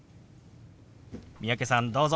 三宅さんどうぞ。